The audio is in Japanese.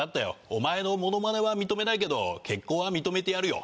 お前のモノマネは認めないけど結婚は認めてやるよ。